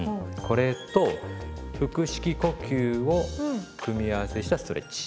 これと腹式呼吸を組み合わせしたストレッチ。